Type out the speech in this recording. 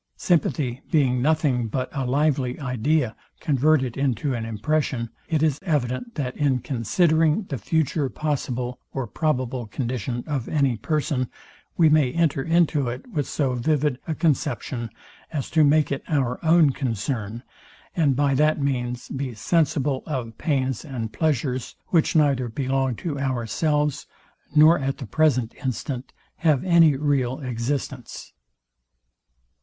Sympathy being nothing but a lively idea converted into an impression, it is evident, that, in considering the future possible or probable condition of any person, we may enter into it with so vivid a conception as to make it our own concern; and by that means be sensible of pains and pleasures, which neither belong to ourselves, nor at the present instant have any real existence.